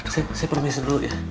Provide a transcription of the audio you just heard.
saya permisi dulu ya